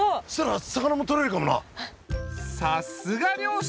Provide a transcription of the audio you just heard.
さすが漁師。